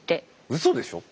うそでしょ？